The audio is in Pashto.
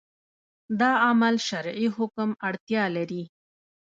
دا عمل شرعي حکم اړتیا لري